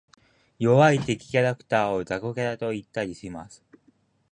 弱い敵キャラクターを雑魚キャラと言ったりします。